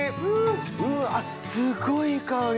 あっすごいいい香り。